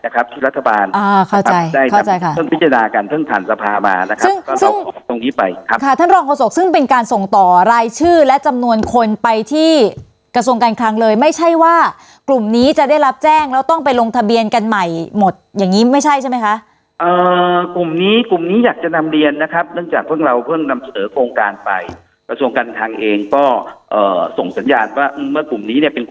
ค่ะท่านรองโศกซึ่งเป็นการส่งต่อรายชื่อและจำนวนคนไปที่กระทรวงการคลังเลยไม่ใช่ว่ากลุ่มนี้จะได้รับแจ้งแล้วต้องไปลงทะเบียนกันใหม่หมดอย่างงี้ไม่ใช่ใช่ไหมคะอ่ากลุ่มนี้กลุ่มนี้อยากจะนำเรียนนะครับเนื่องจากเพิ่งเราเพิ่งนำเสนอโครงการไปกระทรวงการคลังเองก็อ่าส่งสัญญาณว่าอื้อเมื่อกลุ่ม